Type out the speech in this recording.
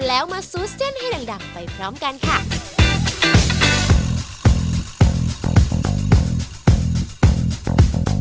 แล้วมาซูดเส้นให้ดังไปพร้อมกันค่ะ